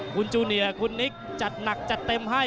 คุณจูเนียคุณนิกจัดหนักจัดเต็มให้